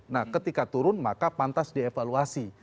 nah ketika turun maka pantas dievaluasi